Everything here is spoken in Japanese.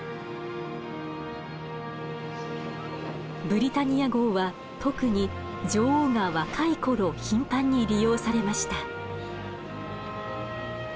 ブリタニア号は特に女王が若い頃頻繁に利用されました。